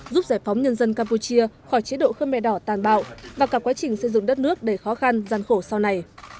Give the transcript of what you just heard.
giúp giải phóng nhân dân campuchia khỏi chế độ khơ me đỏ tàn bạo và cả quá trình xây dựng đất nước đầy khó khăn gian khổ sau này